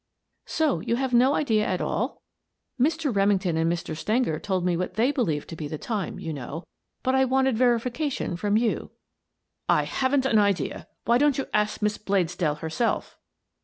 " So you have no idea at all? Mr. Remington and Mr. Stenger told me what they believed to be the time, you know, but I wanted verification from you." "I haven't an idea. Why don't you ask Miss Bladesdell herself?"